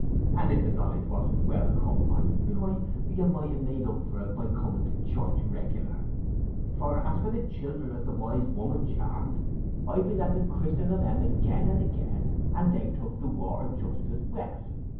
And if the knowledge wasn't well come by, why, you might ha' made up for it by coming to church reg'lar; for, as for the children as the Wise Woman charmed, I've been at the christening of 'em again and again, and they took the water just as well.